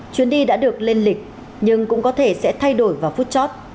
chuyến đi đã được lên lịch nhưng cũng có thể sẽ thay đổi vào phút chót